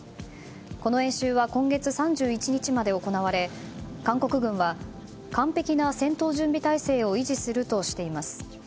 この演習は今月３１日まで行われ韓国軍は完ぺきな戦闘準備態勢を維持するとしています。